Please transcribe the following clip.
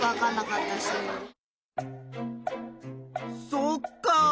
そっか。